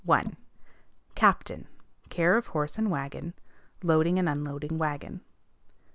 1. Captain. Care of horse and wagon; loading and unloading wagon.